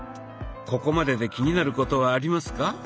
ここまでで気になることはありますか？